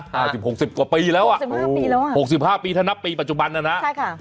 ห้าสิบหกสิบกว่าปีแล้วอ่ะ๖๕ปีแล้วอ่ะ๖๕ปีถ้านับปีปัจจุบันน่ะนะใช่ค่ะ